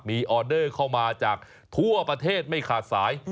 มีออเดอร์เข้ามาจากทั่วประเทศไม่ขาดสาย